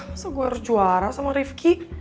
masa gue harus juara sama rifki